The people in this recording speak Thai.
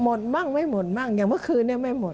หมดมั่งไม่หมดมั่งอย่างเมื่อคืนนี้ไม่หมด